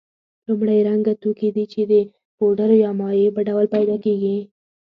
لومړی رنګه توکي دي چې د پوډرو یا مایع په ډول پیدا کیږي.